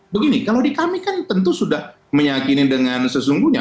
begini kalau di kami kan tentu sudah meyakini dengan sesungguhnya